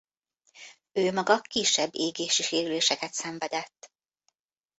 Ő maga kisebb égési sérüléseket szenvedett.